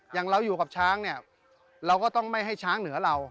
อย่างเราอยู่กับช้างเนี่ยเราก็ต้องไม่ให้ช้างเหนือเรา